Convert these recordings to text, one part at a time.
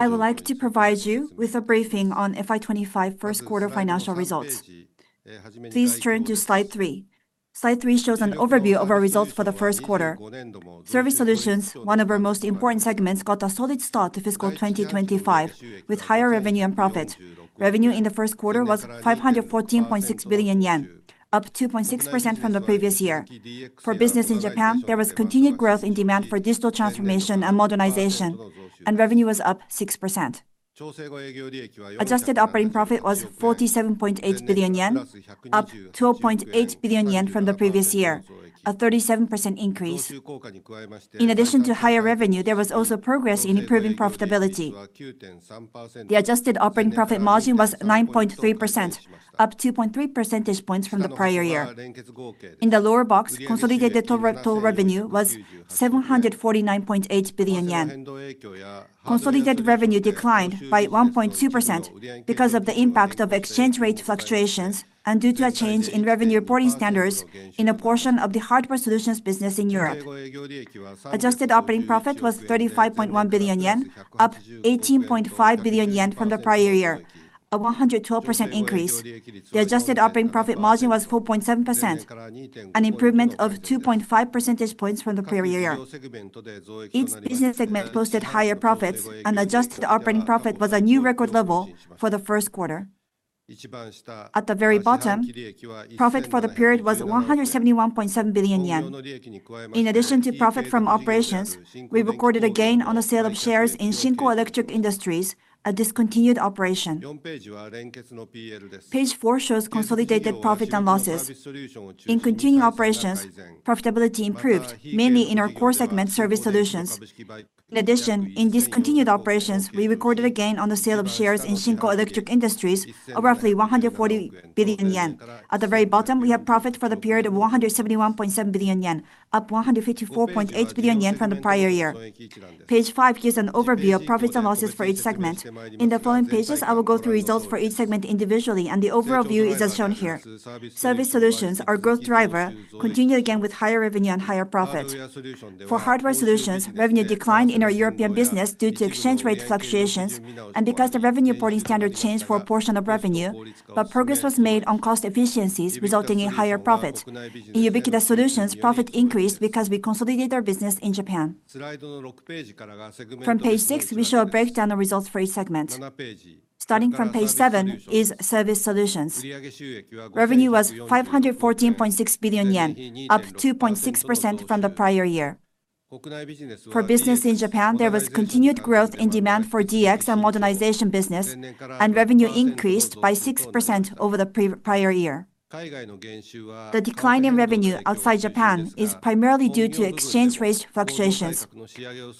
I would like to provide you with a briefing on FY 2025 first quarter financial results. Please turn to slide 3. Slide 3 shows an overview of our results for the first quarter. Service Solutions, one of our most important segments, got a solid start to fiscal 2025 with higher revenue and profit. Revenue in the first quarter was 514.6 billion yen, up 2.6% from the previous year. For business in Japan, there was continued growth in demand for digital transformation and modernization, and revenue was up 6%. Adjusted operating profit was 47.8 billion yen, up 2.8 billion yen from the previous year, a 37% increase. In addition to higher revenue, there was also progress in improving profitability. The adjusted operating profit margin was 9.3%, up 2.3 percentage points from the prior year. In the lower box, consolidated total revenue was 749.8 billion yen. Consolidated revenue declined by 1.2% because of the impact of exchange rate fluctuations and due to a change in revenue reporting standards in a portion of the Hardware Solutions business in Europe. Adjusted operating profit was 35.1 billion yen, up 18.5 billion yen from the prior year, a 112% increase. The adjusted operating profit margin was 4.7%, an improvement of 2.5 percentage points from the prior year. Each business segment posted higher profits, and adjusted operating profit was a new record level for the first quarter. At the very bottom, profit for the period was 171.7 billion yen. In addition to profit from operations, we recorded a gain on the sale of shares in SHINKO ELECTRIC INDUSTRIES, a discontinued operation. Page 4 shows consolidated profit and losses. In continued operations, profitability improved, mainly in our core segment, Service Solutions. In addition, in discontinued operations, we recorded a gain on the sale of shares in SHINKO ELECTRIC INDUSTRIES, of roughly 140 billion yen. At the very bottom, we have profit for the period of 171.7 billion yen, up 154.8 billion yen from the prior year. Page 5 gives an overview of profits and losses for each segment. In the following pages, I will go through results for each segment individually, and the overall view is as shown here. Service Solutions, our growth driver, continued again with higher revenue and higher profit. For Hardware Solutions, revenue declined in our European business due to exchange rate fluctuations and because the revenue reporting standard changed for a portion of revenue, but progress was made on cost efficiencies, resulting in higher profit. In Ubiquitous Solutions, profit increased because we consolidated our business in Japan. From page 6, we show a breakdown of results for each segment. Starting from page 7 is Service Solutions. Revenue was 514.6 billion yen, up 2.6% from the prior year. For business in Japan, there was continued growth in demand for DX and modernization business, and revenue increased by 6% over the prior year. The decline in revenue outside Japan is primarily due to exchange rate fluctuations.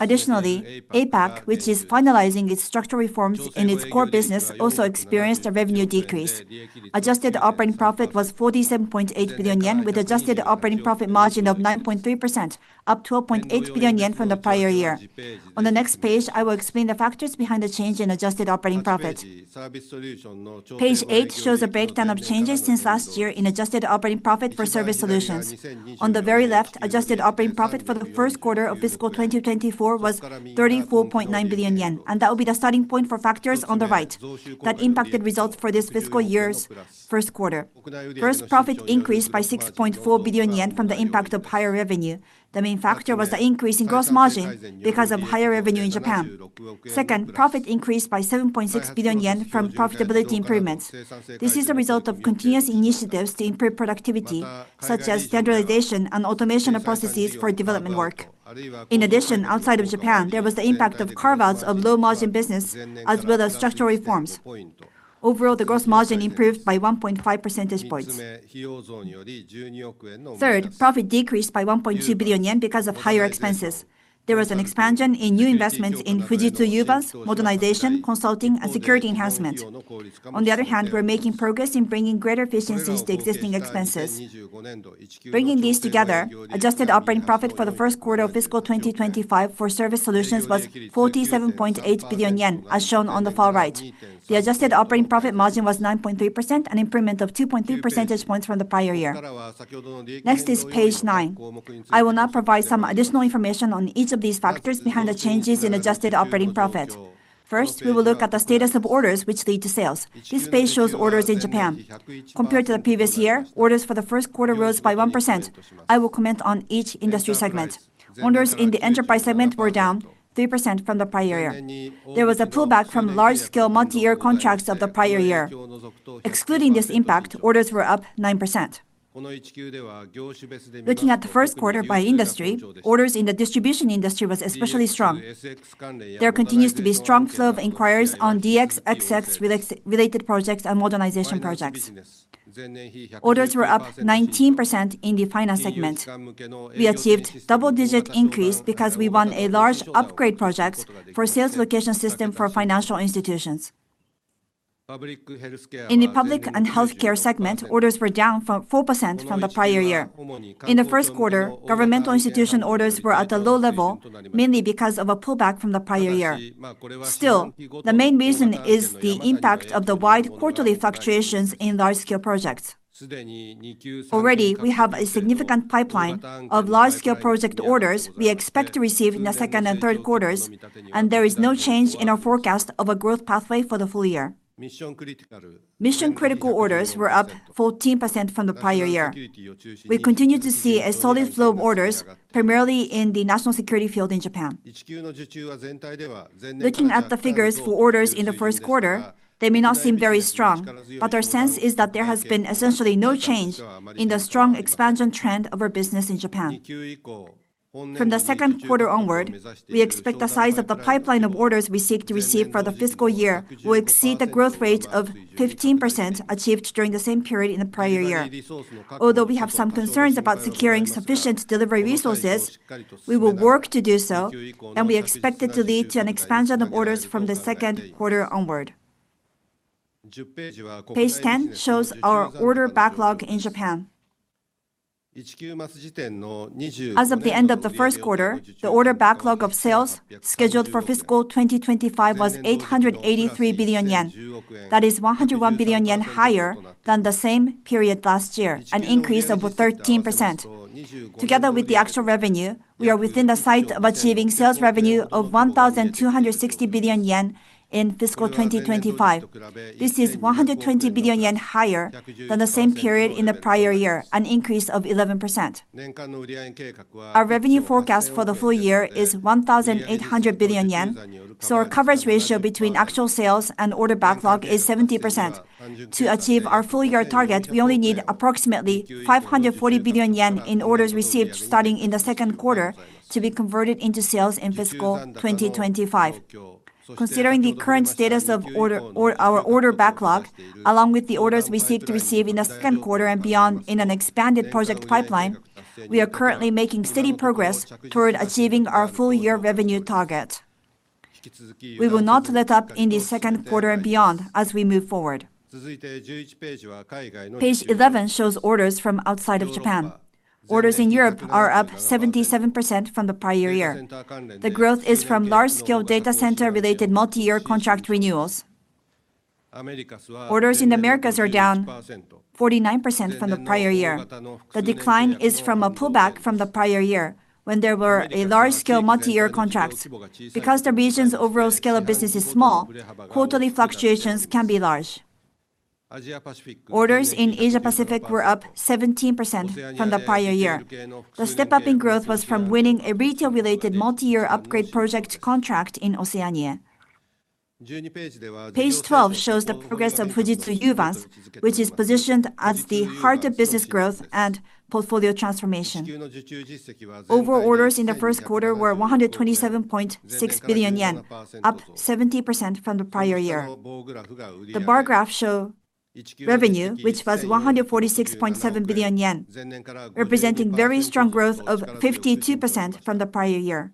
Additionally, APAC, which is finalizing its structural reforms in its core business, also experienced a revenue decrease. Adjusted operating profit was 47.8 billion yen, with adjusted operating profit margin of 9.3%, up 12.8 billion yen from the prior year. On the next page, I will explain the factors behind the change in adjusted operating profit. Page 8 shows a breakdown of changes since last year in adjusted operating profit for Service Solutions. On the very left, adjusted operating profit for the first quarter of fiscal 2024 was 34.9 billion yen, and that will be the starting point for factors on the right that impacted results for this fiscal year's first quarter. First, profit increased by 6.4 billion yen from the impact of higher revenue. The main factor was the increase in gross margin because of higher revenue in Japan. Second, profit increased by 7.6 billion yen from profitability improvements. This is the result of continuous initiatives to improve productivity, such as standardization and automation of processes for development work. In addition, outside of Japan, there was the impact of carve-outs of low-margin business, as well as structural reforms. Overall, the gross margin improved by 1.5 percentage points. Third, profit decreased by 1.2 billion yen because of higher expenses. There was an expansion in new investments in Fujitsu Uvance, Modernization, Consulting, and Security Enhancement. On the other hand, we're making progress in bringing greater efficiencies to existing expenses. Bringing these together, adjusted operating profit for the first quarter of fiscal 2025 for Service Solutions was 47.8 billion yen, as shown on the far right. The adjusted operating profit margin was 9.3%, an improvement of 2.3 percentage points from the prior year. Next is page 9. I will now provide some additional information on each of these factors behind the changes in adjusted operating profit. First, we will look at the status of orders which lead to sales. This page shows orders in Japan. Compared to the previous year, orders for the first quarter rose by 1%. I will comment on each industry segment. Orders in the enterprise segment were down 3% from the prior year. There was a pullback from large-scale multi-year contracts of the prior year. Excluding this impact, orders were up 9%. Looking at the first quarter by industry, orders in the distribution industry were especially strong. There continues to be a strong flow of inquiries on DX, XX-related projects, and modernization projects. Orders were up 19% in the finance segment. We achieved a double-digit increase because we won a large upgrade project for a sales location system for financial institutions. In the public and healthcare segment, orders were down 4% from the prior year. In the first quarter, governmental institution orders were at a low level, mainly because of a pullback from the prior year. Still, the main reason is the impact of the wide quarterly fluctuations in large-scale projects. Already, we have a significant pipeline of large-scale project orders we expect to receive in the second and third quarters, and there is no change in our forecast of a growth pathway for the full year. Mission-critical orders were up 14% from the prior year. We continue to see a solid flow of orders, primarily in the national security field in Japan. Looking at the figures for orders in the first quarter, they may not seem very strong, but our sense is that there has been essentially no change in the strong expansion trend of our business in Japan. From the second quarter onward, we expect the size of the pipeline of orders we seek to receive for the fiscal year will exceed the growth rate of 15% achieved during the same period in the prior year. Although we have some concerns about securing sufficient delivery resources, we will work to do so, and we expect it to lead to an expansion of orders from the second quarter onward. Page 10 shows our order backlog in Japan. As of the end of the first quarter, the order backlog of sales scheduled for fiscal 2025 was 883 billion yen. That is 101 billion yen higher than the same period last year, an increase of 13%. Together with the actual revenue, we are within the sight of achieving sales revenue of 1,260 billion yen in fiscal 2025. This is 120 billion yen higher than the same period in the prior year, an increase of 11%. Our revenue forecast for the full year is 1,800 billion yen, so our coverage ratio between actual sales and order backlog is 70%. To achieve our full-year target, we only need approximately 540 billion yen in orders received starting in the second quarter to be converted into sales in fiscal 2025. Considering the current status of our order backlog, along with the orders we seek to receive in the second quarter and beyond in an expanded project pipeline, we are currently making steady progress toward achieving our full-year revenue target. We will not let up in the second quarter and beyond as we move forward. Page 11 shows orders from outside of Japan. Orders in Europe are up 77% from the prior year. The growth is from large-scale data center-related multi-year contract renewals. Orders in the Americas are down 49% from the prior year. The decline is from a pullback from the prior year when there were large-scale multi-year contracts. Because the region's overall scale of business is small, quarterly fluctuations can be large. Orders in Asia-Pacific were up 17% from the prior year. The step-up in growth was from winning a retail-related multi-year upgrade project contract in Oceania. Page 12 shows the progress of Fujitsu Uvance, which is positioned as the heart of business growth and portfolio transformation. Overall orders in the first quarter were 127.6 billion yen, up 70% from the prior year. The bar graph shows revenue, which was 146.7 billion yen, representing very strong growth of 52% from the prior year.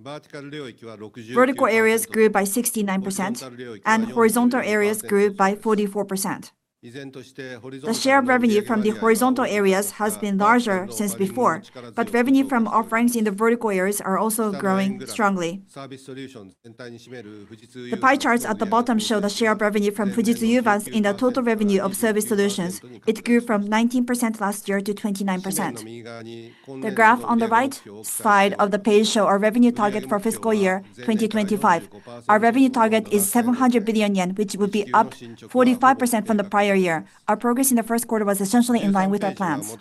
Vertical areas grew by 69%, and horizontal areas grew by 44%. The share of revenue from the horizontal areas has been larger since before, but revenue from offerings in the vertical areas is also growing strongly. The pie charts at the bottom show the share of revenue from Fujitsu Uvance in the total revenue of Service Solutions. It grew from 19% last year to 29%. The graph on the right side of the page shows our revenue target for fiscal year 2025. Our revenue target is 700 billion yen, which would be up 45% from the prior year. Our progress in the first quarter was essentially in line with our plans.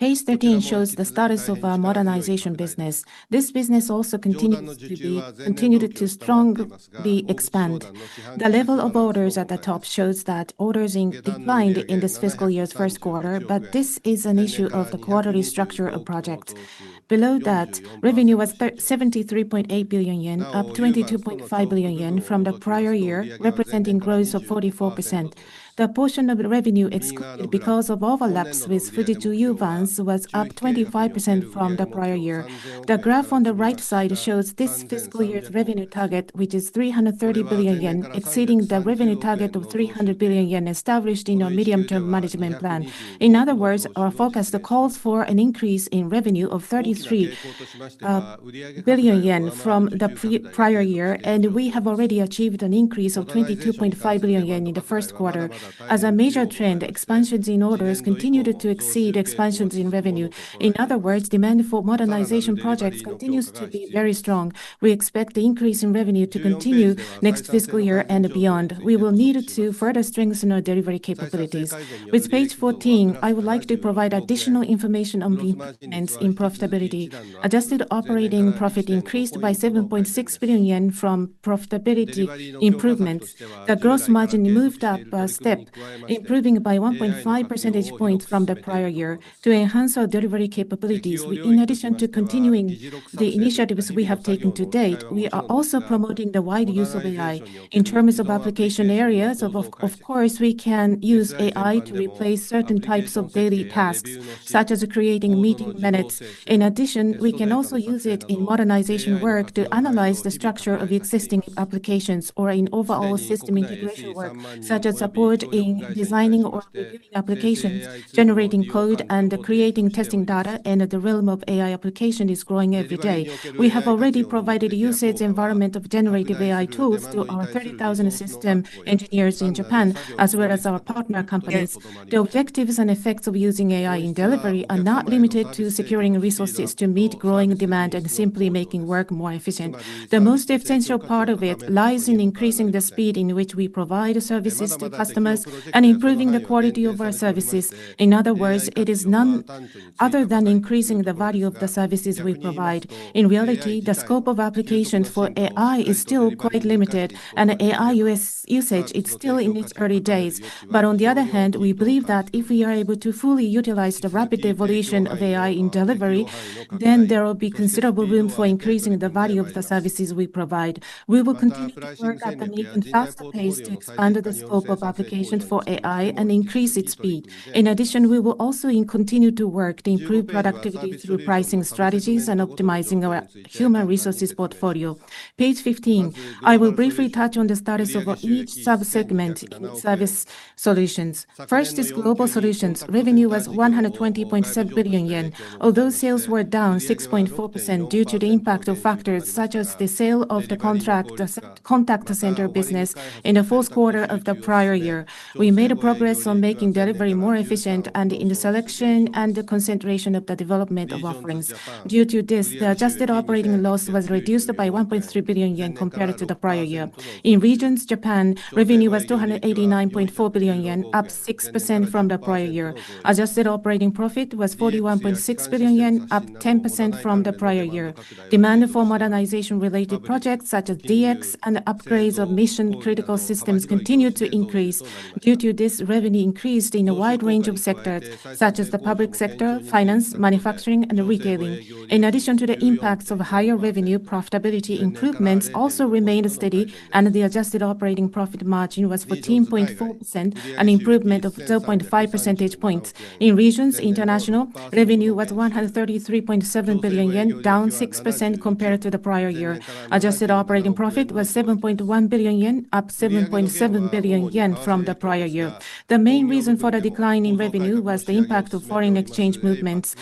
Page 13 shows the status of our modernization business. This business also continued to strongly expand. The level of orders at the top shows that orders declined in this fiscal year's first quarter, but this is an issue of the quarterly structure of projects. Below that, revenue was 73.8 billion yen, up 22.5 billion yen from the prior year, representing growth of 44%. The portion of revenue excluded because of overlaps with Fujitsu Uvance was up 25% from the prior year. The graph on the right side shows this fiscal year's revenue target, which is 330 billion yen, exceeding the revenue target of 300 billion yen established in our medium-term management plan. In other words, our focus calls for an increase in revenue of 33 billion yen from the prior year, and we have already achieved an increase of 22.5 billion yen in the first quarter. As a major trend, expansions in orders continue to exceed expansions in revenue. In other words, demand for modernization projects continues to be very strong. We expect the increase in revenue to continue next fiscal year and beyond. We will need to further strengthen our delivery capabilities. With page 14, I would like to provide additional information on the improvements in profitability. Adjusted operating profit increased by 7.6 billion yen from profitability improvements. The gross margin moved up a step, improving by 1.5 percentage points from the prior year to enhance our delivery capabilities. In addition to continuing the initiatives we have taken to date, we are also promoting the wide use of AI in terms of application areas. Of course, we can use AI to replace certain types of daily tasks, such as creating meeting minutes. In addition, we can also use it in modernization work to analyze the structure of existing applications or in overall system integration work, such as support in designing or reviewing applications, generating code, and creating testing data. The realm of AI application is growing every day. We have already provided usage environment of generative AI tools to our 30,000 system engineers in Japan, as well as our partner companies. The objectives and effects of using AI in delivery are not limited to securing resources to meet growing demand and simply making work more efficient. The most essential part of it lies in increasing the speed in which we provide services to customers and improving the quality of our services. In other words, it is none other than increasing the value of the services we provide. In reality, the scope of applications for AI is still quite limited, and AI usage is still in its early days. On the other hand, we believe that if we are able to fully utilize the rapid evolution of AI in delivery, then there will be considerable room for increasing the value of the services we provide. We will continue to work at an even faster pace to expand the scope of applications for AI and increase its speed. In addition, we will also continue to work to improve productivity through pricing strategies and optimizing our human resources portfolio. Page 15, I will briefly touch on the status of each subsegment in Service Solutions. First is Global Solutions. Revenue was 120.7 billion yen, although sales were down 6.4% due to the impact of factors such as the sale of the contact center business in the fourth quarter of the prior year. We made progress on making delivery more efficient and in the selection and the concentration of the development of offerings. Due to this, the adjusted operating loss was reduced by 1.3 billion yen compared to the prior year. In regions, Japan revenue was 289.4 billion yen, up 6% from the prior year. Adjusted operating profit was 41.6 billion yen, up 10% from the prior year. Demand for modernization-related projects such as DX and upgrades of mission-critical systems continued to increase. Due to this, revenue increased in a wide range of sectors such as the public sector, finance, manufacturing, and retailing. In addition to the impacts of higher revenue, profitability improvements also remained steady, and the adjusted operating profit margin was 14.4%, an improvement of 0.5 percentage points. In regions, international revenue was 133.7 billion yen, down 6% compared to the prior year. Adjusted operating profit was 7.1 billion yen, up 7.7 billion yen from the prior year. The main reason for the decline in revenue was the impact of foreign exchange movements,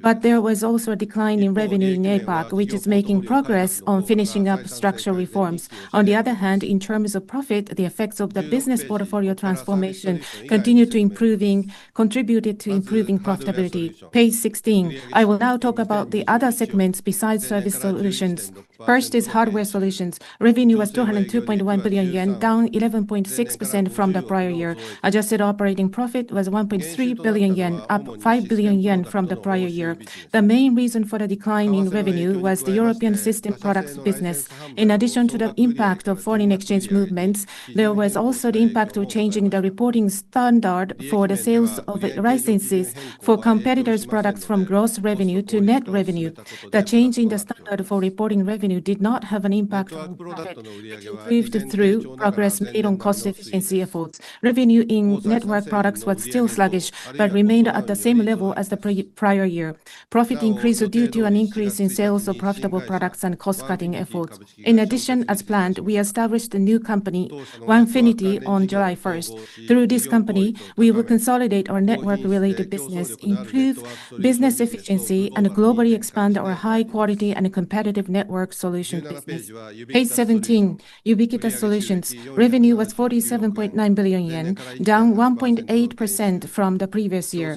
but there was also a decline in revenue in APAC, which is making progress on finishing up structural reforms. On the other hand, in terms of profit, the effects of the business portfolio transformation continued to contribute to improving profitability. Page 16, I will now talk about the other segments besides Service Solutions. First is Hardware Solutions. Revenue was 202.1 billion yen, down 11.6% from the prior year. Adjusted operating profit was 1.3 billion yen, up 5 billion yen from the prior year. The main reason for the decline in revenue was the European system products business. In addition to the impact of foreign exchange movements, there was also the impact of changing the reporting standard for the sales of licenses for competitors' products from gross revenue to net revenue. The change in the standard for reporting revenue did not have an impact on profit. It improved through progress made on cost-efficiency efforts. Revenue in network products was still sluggish but remained at the same level as the prior year. Profit increased due to an increase in sales of profitable products and cost-cutting efforts. In addition, as planned, we established a new company, 1FINITY, on July 1st. Through this company, we will consolidate our network-related business, improve business efficiency, and globally expand our high-quality and competitive network solution business. Page 17, Ubiquitous Solutions. Revenue was 47.9 billion yen, down 1.8% from the previous year.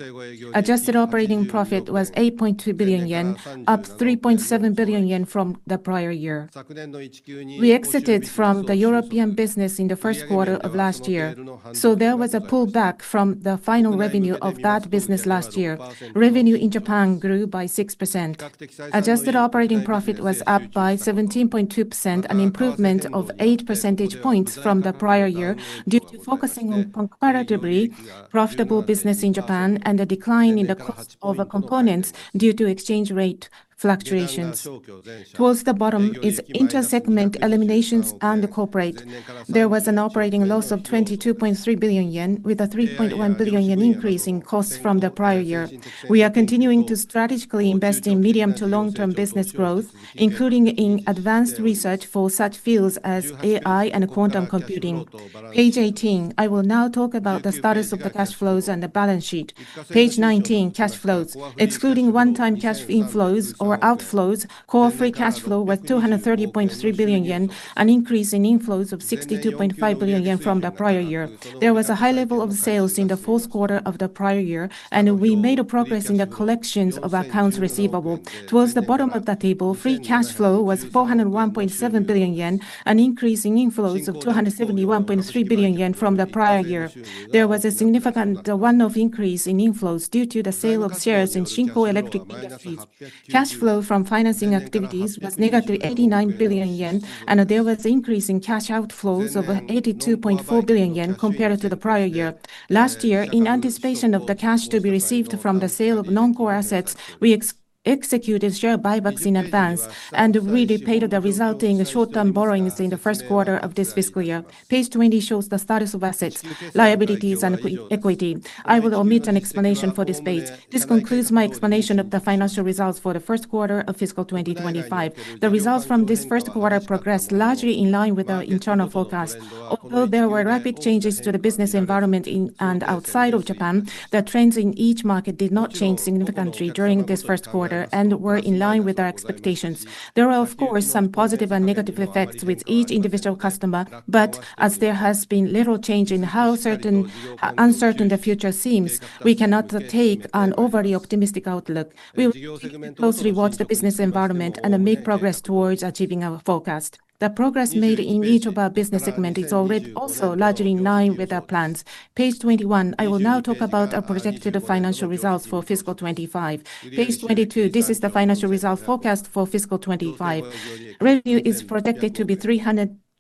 Adjusted operating profit was 8.2 billion yen, up 3.7 billion yen from the prior year. We exited from the European business in the first quarter of last year, so there was a pullback from the final revenue of that business last year. Revenue in Japan grew by 6%. Adjusted operating profit was up by 17.2%, an improvement of 8 percentage points from the prior year due to focusing on comparatively profitable business in Japan and a decline in the cost of components due to exchange rate fluctuations. Towards the bottom is intersegment eliminations and corporate. There was an operating loss of 22.3 billion yen, with a 3.1 billion yen increase in costs from the prior year. We are continuing to strategically invest in medium to long-term business growth, including in advanced research for such fields as AI and quantum computing. Page 18, I will now talk about the status of the cash flows and the balance sheet. Page 19, cash flows. Excluding one-time cash inflows or outflows, core free cash flow was 230.3 billion yen, an increase in inflows of 62.5 billion yen from the prior year. There was a high level of sales in the fourth quarter of the prior year, and we made progress in the collections of accounts receivable. Towards the bottom of the table, free cash flow was 401.7 billion yen, an increase in inflows of 271.3 billion yen from the prior year. There was a significant one-off increase in inflows due to the sale of shares in SHINKO ELECTRIC INDUSTRIES. Cash flow from financing activities was 89 billion yen, and there was an increase in cash outflows of 82.4 billion yen compared to the prior year. Last year, in anticipation of the cash to be received from the sale of non-core assets, we executed share buybacks in advance and repaid the resulting short-term borrowings in the first quarter of this fiscal year. Page 20 shows the status of assets, liabilities, and equity. I will omit an explanation for this page. This concludes my explanation of the financial results for the first quarter of fiscal 2025. The results from this first quarter progressed largely in line with our internal forecast. Although there were rapid changes to the business environment in and outside of Japan, the trends in each market did not change significantly during this first quarter and were in line with our expectations. There were, of course, some positive and negative effects with each individual customer, but as there has been little change in how uncertain the future seems, we cannot take an overly optimistic outlook. We will closely watch the business environment and make progress towards achieving our forecast. The progress made in each of our business segments is also largely in line with our plans. Page 21, I will now talk about our projected financial results for fiscal 2025. Page 22, this is the financial result forecast for fiscal 2025. Revenue is projected to be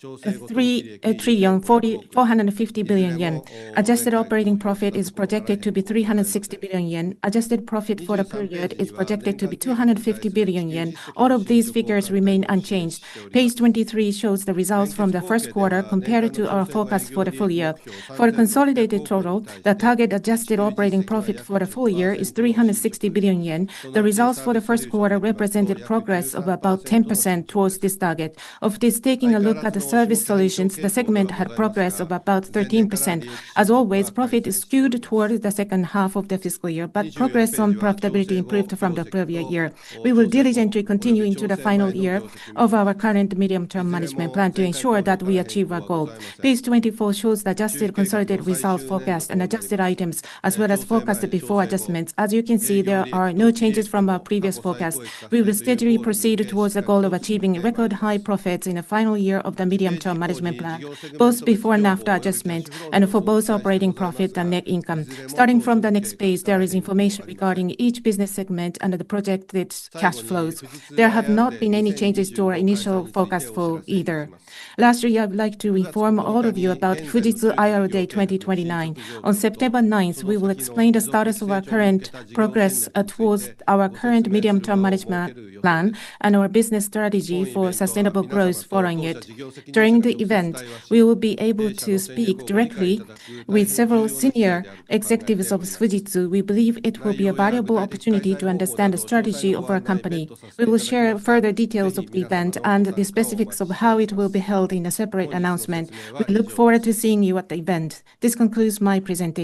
450 billion yen. Adjusted operating profit is projected to be 360 billion yen. Adjusted profit for the period is projected to be 250 billion yen. All of these figures remain unchanged. Page 23 shows the results from the first quarter compared to our forecast for the full year. For the consolidated total, the target adjusted operating profit for the full year is 360 billion yen. The results for the first quarter represented progress of about 10% towards this target. Of this, taking a look at the Service Solutions, the segment had progress of about 13%. As always, profit is skewed towards the second half of the fiscal year, but progress on profitability improved from the previous year. We will diligently continue into the final year of our current medium-term management plan to ensure that we achieve our goal. Page 24 shows the adjusted consolidated result forecast and adjusted items, as well as forecast before adjustments. As you can see, there are no changes from our previous forecast. We will steadily proceed towards the goal of achieving record-high profits in the final year of the medium-term management plan, both before and after adjustment, and for both operating profit and net income. Starting from the next page, there is information regarding each business segment and the projected cash flows. There have not been any changes to our initial forecast for either. Lastly, I would like to inform all of you about Fujitsu IRA Day 2029. On September 9, we will explain the status of our current progress towards our current medium-term management plan and our business strategy for sustainable growth following it. During the event, we will be able to speak directly with several senior executives of Fujitsu. We believe it will be a valuable opportunity to understand the strategy of our company. We will share further details of the event and the specifics of how it will be held in a separate announcement. We look forward to seeing you at the event. This concludes my presentation.